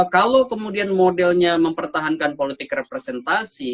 kalau kemudian modelnya mempertahankan politik representasi